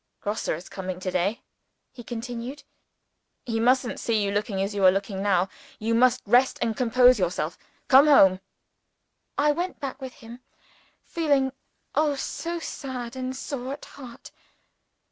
"Grosse is coming to day," he continued. "He mustn't see you looking as you are looking now. You must rest and compose yourself. Come home." I went back with him, feeling oh, so sad and sore at heart!